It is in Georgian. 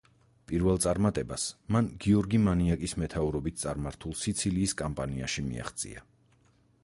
პირველ წარმატებას მან გიორგი მანიაკის მეთაურობით წარმართულ სიცილიის კამპანიაში მიაღწია.